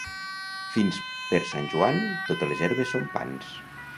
Fins per Sant Joan, totes les herbes són pans.